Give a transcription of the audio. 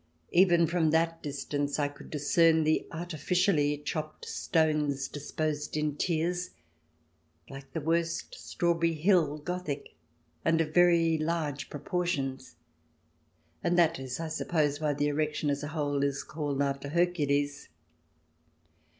Even from that distance I could discern the artificially chopped stones, disposed in tiers, like the worst Strawberry Hill Gothic, and of very large propor tions ; and that is, I suppose, why the erection, as a whole, is called after Hercules.